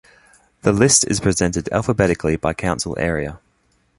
The list is presented alphabetically by council area.